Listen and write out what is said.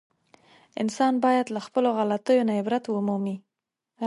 انسان باید له خپلو غلطیو نه عبرت و مومي.